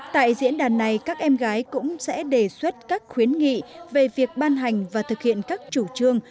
tại diễn đàn này các em gái cũng sẽ đề xuất các khuyến nghị về việc ban hành và thực hiện các chủ trương